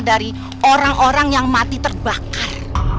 dari orang orang yang mati terbakar